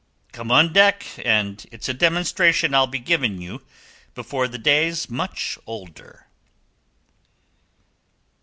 "Come on deck, and it's a demonstration I'll be giving you before the day's much older."